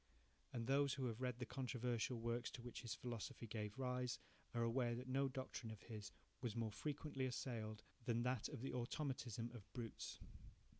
And those who have read the controversial works to which his philosophy gave rise, are aware that no doctrine of his was more frequently assailed than that of the automatism of brutes.